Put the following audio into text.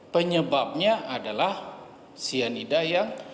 penyebabnya adalah cyanida yang